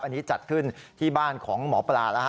อันนี้จัดขึ้นที่บ้านของหมอปลาแล้วฮะ